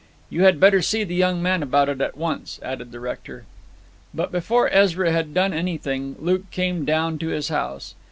'You had better see the young man about it at once,' added the rector. But before Ezra had done anything Luke came down to his house.